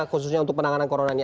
khususnya untuk penanganan corona ini